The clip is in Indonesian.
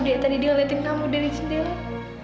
dari tadi dia ngeliatin kamu dari sendirian